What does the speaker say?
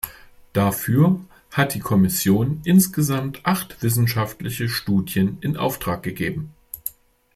Dafür hat die Kommission insgesamt acht wissenschaftliche Studien in Auftrag gegeben.